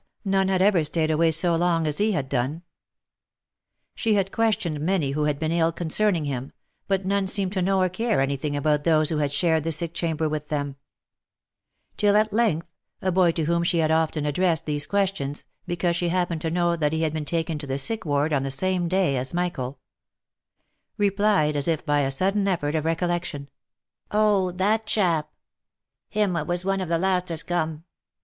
none had ever staid away so long as he had done ! She had questioned many who had been ill concerning him, but none seemed to know or care any thing about tl^ose who had shared the sick chamber with them ; till at length, a boy to whom she had often addressed these questions, be cause she happened to know that he had been taken to the sick ward on the same day as Michael, replied as if 'by a sudden effort of recol lection, " Oh ! that chap ? Him what was one of the last as come